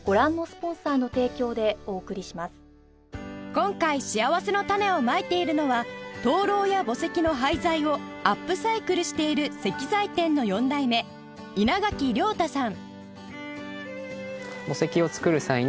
今回しあわせのたねをまいているのは灯籠や墓石の廃材をアップサイクルしている石材店の４代目稲垣遼太さん